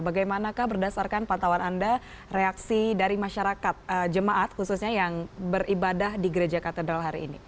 bagaimana berdasarkan pantauan anda reaksi dari masyarakat jemaat khususnya yang beribadah di gereja katedral